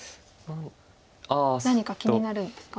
何か気になるんですか？